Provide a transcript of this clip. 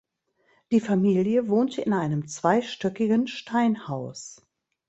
Die Familie wohnte in einem zweistöckigen Steinhaus.